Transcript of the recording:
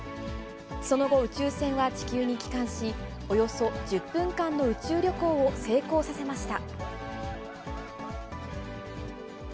その後、宇宙船は地球に帰還し、およそ１０分間の宇宙旅行を成功させました。